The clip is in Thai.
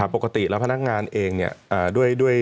ปกติแล้วพนักงานเองด้วย